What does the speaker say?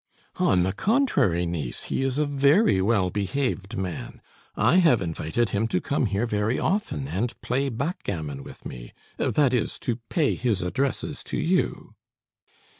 "On the contrary, niece, he is a very well behaved man. I have invited him to come here very often, and play backgammon with me that is, to pay his addresses to you."